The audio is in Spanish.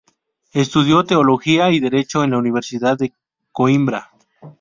Estudió Teología y Derecho en la Universidad de Coímbra.